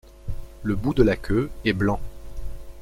Le bout de la queue est blanc.